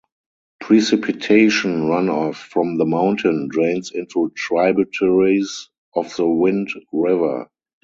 Precipitation runoff from the mountain drains into tributaries of the Wind River.